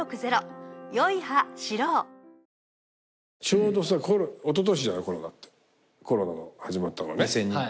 ちょうどおととしじゃないコロナが始まったのね。